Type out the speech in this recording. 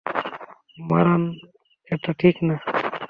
মারান, এটা ঠিক না।